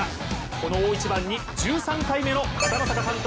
この大一番に１３回目の片野坂監督